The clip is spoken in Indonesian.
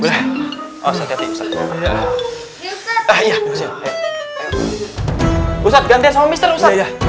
ah uh menghilang usadz